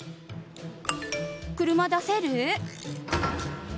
車出せる？